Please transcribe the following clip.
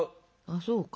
あそうか。